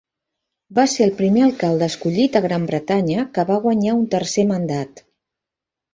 Va ser el primer alcalde escollit a Gran Bretanya que va guanyar un tercer mandat.